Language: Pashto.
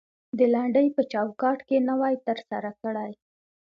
د لنډۍ په چوکات کې نوى تر سره کړى.